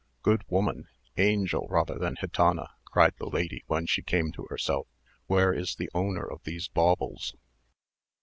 "Good woman, angel rather than gitana," cried the lady when she came to herself, "where is the owner of these baubles?"